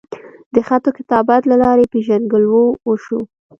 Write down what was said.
د خط وکتابت لۀ لارې پېژنګلو اوشوه